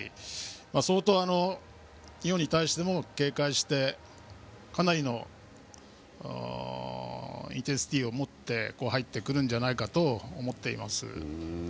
相当、日本に対しても警戒してインテンシティーを持って入ってくるんじゃないかと思います。